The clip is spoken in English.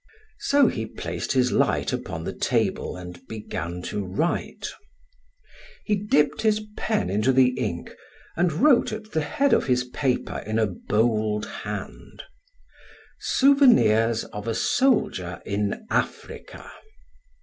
So he placed his light upon the table and began to write. He dipped his pen into the ink and wrote at the head of his paper in a bold hand: "Souvenirs of a Soldier in Africa."